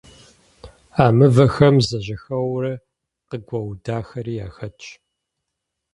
А мывэхэм зэжьэхэуэурэ къыгуэудахэри яхэтщ.